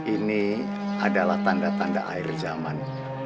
ini adalah tanda tanda air zaman